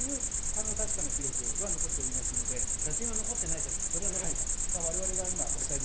写真は残ってないけどそれは残ってた。